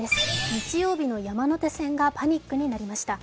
日曜日の山手線がパニックになりました。